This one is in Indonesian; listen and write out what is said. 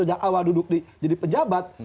yang awal duduk di jadi pejabat